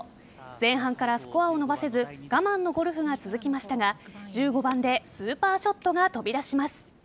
前半からスコアを伸ばせず我慢のゴルフが続きましたが１５番でスーパーショットが飛び出します。